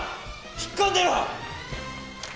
引っ込んでろ！